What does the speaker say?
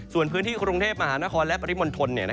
ส่วนพื้นที่กรุงเทพมหานครและปริมณฑล